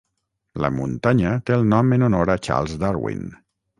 La muntanya té el nom en honor a Charles Darwin.